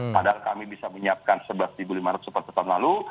padahal kami bisa menyiapkan rp sebelas lima ratus seperti tahun lalu